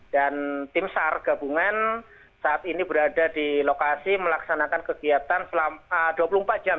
dan tim sar gabungan saat ini berada di lokasi melaksanakan kegiatan selama dua puluh empat jam